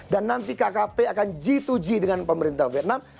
dan nanti kkp akan g dua g dengan pemerintah vietnam